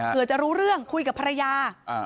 เพื่อจะรู้เรื่องคุยกับภรรยา